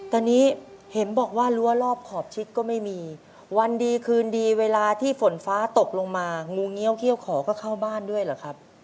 ตอนนี้เห็นบอกว่ารั้วรอบขอบชิดก็ไม่มีวันดีคืนดีเวลาที่ฝนฟ้าตกลงมางูเงี้ยวเขี้ยวขอก็เข้าบ้านด้วยเหรอครับ